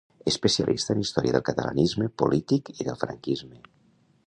Especialista en història del catalanisme polític i del franquisme.